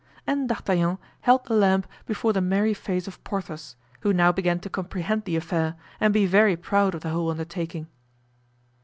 And D'Artagnan held the lamp before the merry face of Porthos, who now began to comprehend the affair and be very proud of the whole undertaking.